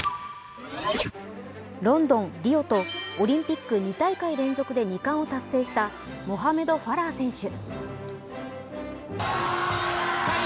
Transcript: ロンドン、リオとオリンピック２大会連続で２冠を達成したモハメド・ファラー選手。